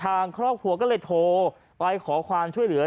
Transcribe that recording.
ทางครอบครัวก็เลยโทรไปขอความช่วยเหลือ